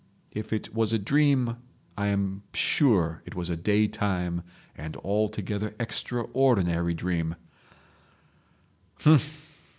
If it was a dream, I am sure it was a day time and altogether extraordinary dream